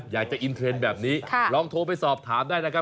อยากจะอินเทรนด์แบบนี้ลองโทรไปสอบถามได้นะครับ